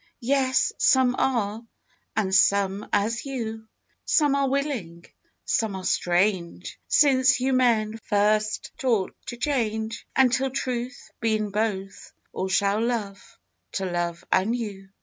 Yes, some are, and some as you; Some are willing, some are strange, Since you men first taught to change. And till truth Be in both All shall love to love anew.